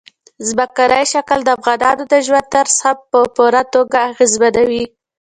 ځمکنی شکل د افغانانو د ژوند طرز هم په پوره توګه اغېزمنوي.